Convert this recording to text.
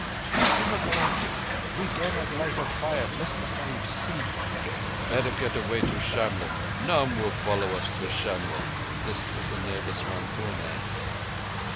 "Give him a blanket. We dare not light a fire lest the Sahibs see." "Better get away to Shamlegh. None will follow us to Shamlegh." This was the nervous Rampur man.